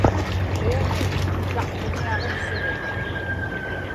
kiani utaqqiñiaġivsigiñ